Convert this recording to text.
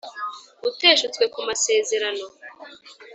Uteshutswe ku masezerano